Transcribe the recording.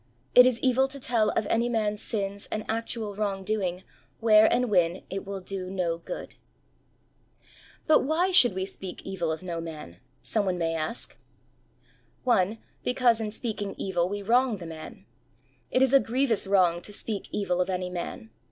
It is evil to tell of any man's sins and actual wrong doing where and when it will do no good. 100 HEART TALKS ON HOLINESS. " But why should we speak evil of no man ? someone may ask. 1. Because in speaking evil we wrong the man. It is a grievous wrong to speak evil of any man.